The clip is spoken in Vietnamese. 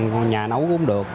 còn nhà nấu cũng được